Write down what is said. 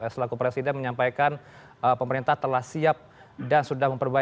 selaku presiden menyampaikan pemerintah telah siap dan sudah memperbaiki